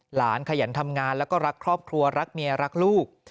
ขยันทำงานแล้วก็รักครอบครัวรักเมียรักลูก